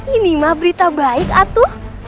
ini mah berita baik atu